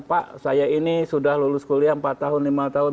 pak saya ini sudah lulus kuliah empat tahun lima tahun